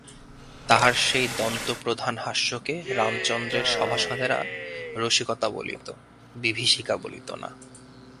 তাহার সেই দন্তপ্রধান হাস্যকে রামচন্দ্রের সভাসদেরা রসিকতা বলিত, বিভীষিকা বলিত না।